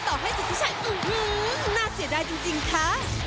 ต่อให้สิทธิชัยอื้อหือน่าเสียดายจริงค่ะ